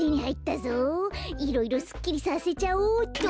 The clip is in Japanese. いろいろすっきりさせちゃおうっと！